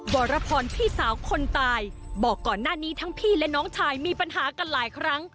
วรพรพี่สาวคนตายบอกก่อนหน้านี้ทั้งพี่และน้องชายมีปัญหากันหลายครั้ง